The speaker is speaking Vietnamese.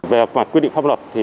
về quy định pháp luật